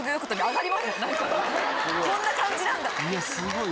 こんな感じなんだ。